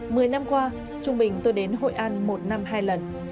mười năm qua trung bình tôi đến hội an một năm hai lần